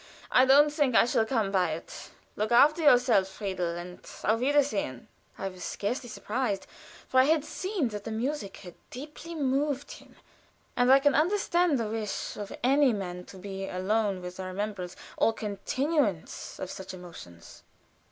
"I don't think I shall come by it. Look after yourself, Friedel, and auf wiedersehen!" I was scarcely surprised, for I had seen that the music had deeply moved him, and I can understand the wish of any man to be alone with the remembrance or continuance of such emotions.